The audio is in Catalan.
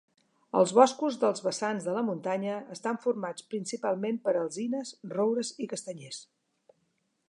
Els boscos dels vessants de la muntanya estan formats principalment per alzines, roures i castanyers.